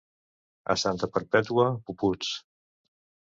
A Santa Perpètua, puputs.